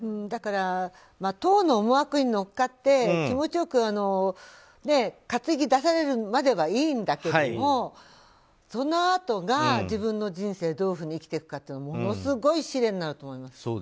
だから、党の思惑に乗って気持ち良く担ぎ出されるまではいいんだけどもそのあとが自分の人生どういうふうに生きていくのかものすごい試練になると思います。